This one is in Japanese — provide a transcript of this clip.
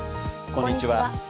こんにちは。